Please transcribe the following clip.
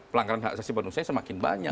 pelanggaran hak asasi manusia semakin banyak